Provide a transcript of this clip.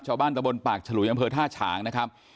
ชาวบ้านตบลปากชะหรุยอำเภอท่าฉางนะครับ